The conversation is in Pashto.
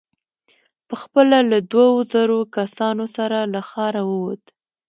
په خپله له دوو زرو کسانو سره له ښاره ووت.